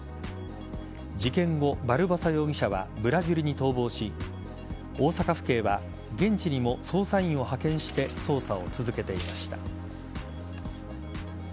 事件後、バルボサ容疑者はブラジルに逃亡し大阪府警は現地にも捜査員を派遣して捜査を続けていました。